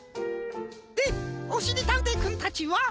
でおしりたんていくんたちは？